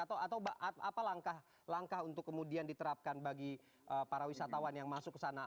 atau apa langkah langkah untuk kemudian diterapkan bagi para wisatawan yang masuk ke sana